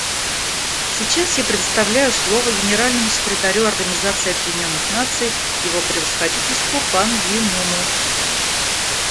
Сейчас я предоставляю слово Генеральному секретарю Организации Объединенных Наций Его Превосходительству Пан Ги Муну.